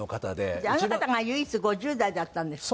じゃああの方が唯一５０代だったんですってね？